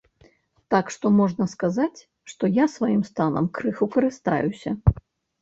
Так што, можна сказаць, што я сваім станам крыху карыстаюся.